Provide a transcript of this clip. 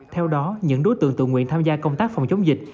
theo đó những đối tượng tự nguyện tham gia công tác phòng chống dịch